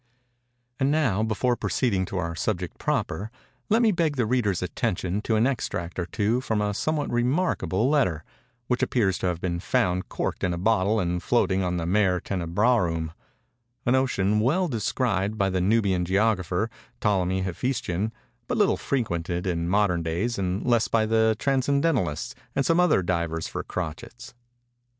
And now, before proceeding to our subject proper, let me beg the reader's attention to an extract or two from a somewhat remarkable letter, which appears to have been found corked in a bottle and floating on the Mare Tenebrarum—an ocean well described by the Nubian geographer, Ptolemy Hephestion, but little frequented in modern days unless by the Transcendentalists and some other divers for crotchets.